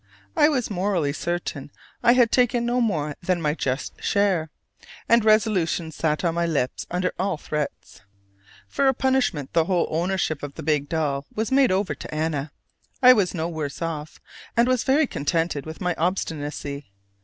I was morally certain I had taken no more than my just share, and resolution sat on my lips under all threats. For a punishment the whole ownership of the big doll was made over to Anna: I was no worse off, and was very contented with my obstinacy.